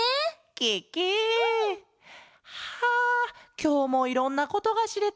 ケケ！はあきょうもいろんなことがしれた。